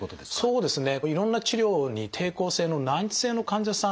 そうですね。